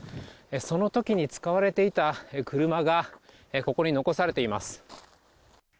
その時に使われていた車がここに残されています。